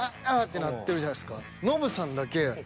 てなってるじゃないですか。